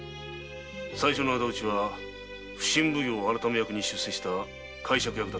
最初の仇討ちは普請奉行改役に出世した介錯役だったな。